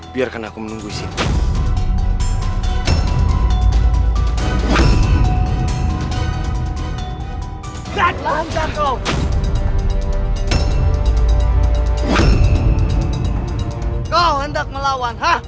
biarkan aku menunggu isimu